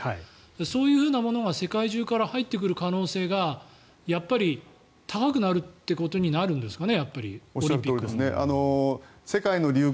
そういうものが世界中から入ってくる可能性がやっぱり高くなるということになるんですかね。